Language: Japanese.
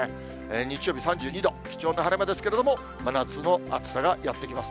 日曜日３２度、貴重な晴れ間ですけども、真夏の暑さがやってきます。